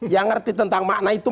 yang ngerti tentang makna itu